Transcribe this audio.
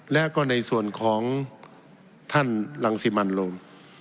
และก็ในส่วนของท่านรังสิมันโรม